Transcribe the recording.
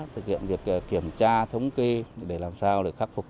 thực hiện việc kiểm tra thống kê để làm sao để khắc phục